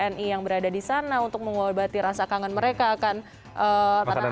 untuk wni yang berada di sana untuk mengobati rasa kangen mereka akan tanah air